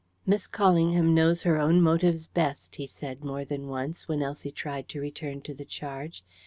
"Miss Callingham knows her own motives best," he said more than once, when Elsie tried to return to the charge.